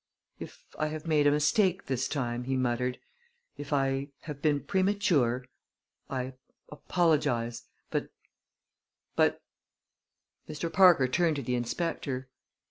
"If I have made a mistake this time," he muttered; "if I have been premature I apologize; but but " Mr. Parker turned to the inspector.